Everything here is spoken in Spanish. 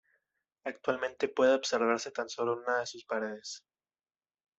Actualmente puede observarse tan solo una de sus paredes.